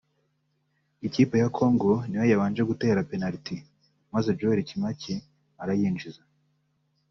Ikipe ya Congo niyo yabanje gutera Penaliti maze Joel Kimwaki arayinjiza